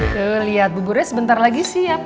tuh lihat buburnya sebentar lagi siap